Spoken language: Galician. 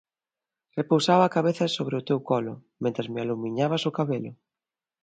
Repousaba a cabeza sobre o teu colo, mentres me aloumiñabas o cabelo